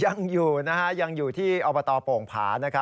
ยังอยู่นะฮะยังอยู่ที่อบตโป่งผา